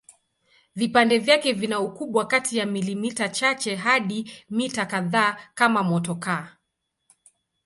Vipande vyake vina ukubwa kati ya milimita chache hadi mita kadhaa kama motokaa.